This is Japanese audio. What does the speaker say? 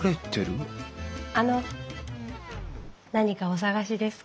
あの何かお探しですか？